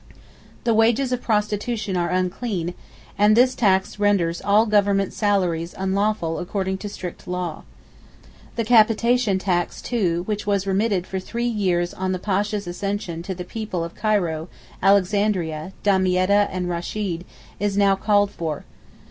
The wages of prostitution are unclean, and this tax renders all Government salaries unlawful according to strict law. The capitation tax too, which was remitted for three years on the pasha's accession to the people of Cairo, Alexandria, Damietta and Rascheed, is now called for.